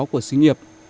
của sinh nghiệp